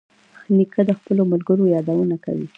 نیکه د خپلو ملګرو یادونه کوي.